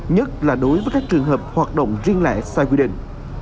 nhất là đối với các trường hợp hoạt động riêng lẻ sai quy định